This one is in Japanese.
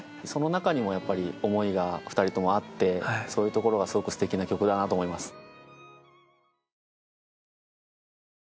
その中にもやっぱり思いが２人ともあってそういうところがすごくすてきな曲だなと思います。